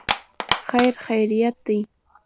خیر خیریت دی.